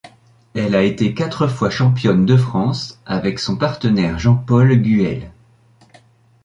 Elle a été quatre fois championne de France avec son partenaire Jean-Paul Guhel.